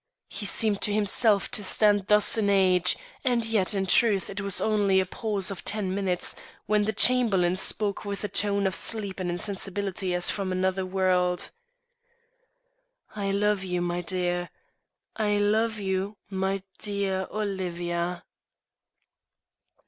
He seemed to himself to stand thus an age, and yet in truth it was only a pause of minutes when the Chamberlain spoke with the tone of sleep and insensibility as from another world. "I love you, my dear; I love you, my dear Olivia."